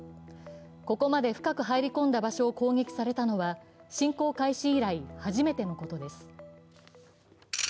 ここまで深く入り込んだ場所を攻撃されたのは侵攻開始以来、初めてのことです。